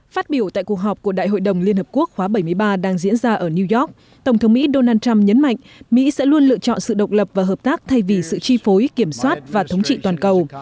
phát biểu tại cuộc họp của đại hội đồng liên hợp quốc khóa bảy mươi ba đang diễn ra ở new york tổng thống mỹ donald trump nhấn mạnh mỹ sẽ luôn lựa chọn sự độc lập và hợp tác thay vì sự chi phối kiểm soát và thống trị toàn cầu